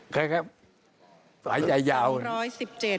แค่หลายใจเยาผม